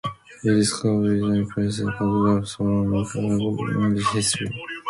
It is covered with impressive photographs from local and regional history.